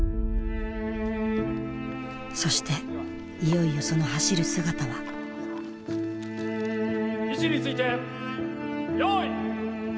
そしていよいよその走る姿は位置について用意。